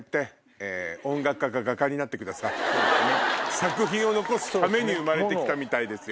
作品を残すために生まれて来たみたいですよ。